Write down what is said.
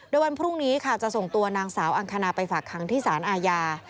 โดยวันพรุ่งนี้ค่ะจะส่งตัวนางสาวอังคณาไปฝากคังที่สารอาญา